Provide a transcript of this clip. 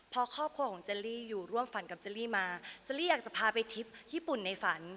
พอครอบครัวของเจลลี่อยู่ร่วมฝันกับเจลลี่มาเจอรี่อยากจะพาไปทริปญี่ปุ่นในฝัน